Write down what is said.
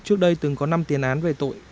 trước đây từng có năm tiền án về tội